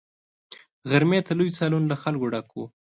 غرمې ته لوی سالون له خلکو ډک وو.